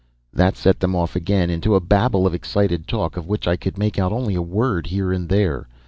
"That set them off again into a babble of excited talk, of which I could make out only a word here and there.